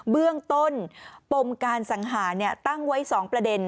เบื้องต้นปล่มการสังหาเนี่ยตั้งไว้สองประเด็น